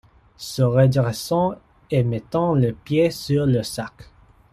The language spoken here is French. Se redressant et mettant le pied sur le sac.